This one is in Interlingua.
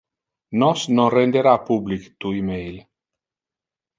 Nos non rendera public tu email.